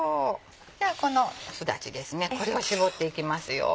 じゃあこのすだちですねこれを搾っていきますよ。